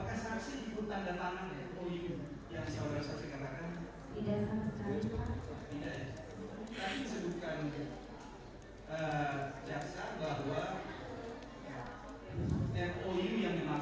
bisa saudara jelaskan karena surat ini nyata nyatanya sebelum saudara berangkat